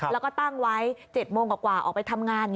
แล้วก็ตั้งไว้๗โมงกว่าออกไปทำงาน